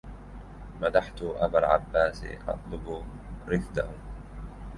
مدحت أبا العباس أطلب رفده